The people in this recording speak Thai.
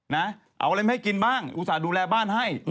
เอาอะไรมาให้กินบ้างอุตส่าห์ดูแลบ้านให้